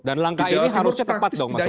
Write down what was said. dan langkah ini harusnya tepat dong mas rahat